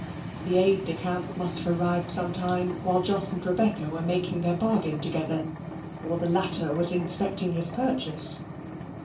The aide de camp must have arrived sometime while Jos and Rebecca were making their bargain together, or the latter was inspecting his purchase.